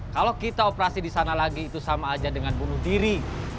kalau kita operasi di sana lagi itu sama aja dengan bunuh diri